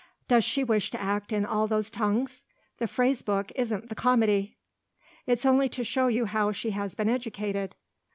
"Does she wish to act in all those tongues? The phrase book isn't the comedy!" "It's only to show you how she has been educated."